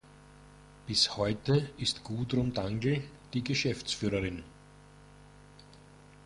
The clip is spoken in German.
Bis heute ist Gudrun Dangl die Geschäftsführerin.